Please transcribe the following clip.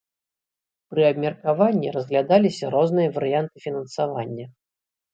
Пры абмеркаванні разглядаліся розныя варыянты фінансавання.